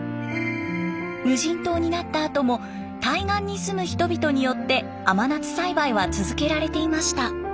無人島になったあとも対岸に住む人々によって甘夏栽培は続けられていました。